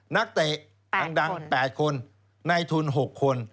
นักเตะดัง๘คนในทุน๖คน